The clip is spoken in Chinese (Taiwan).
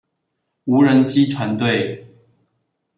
無人機團隊